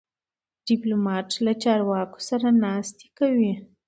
ډيپلومات له چارواکو سره ناستې کوي.